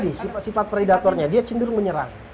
dan itu tadi sifat predatornya dia cenderung menyerang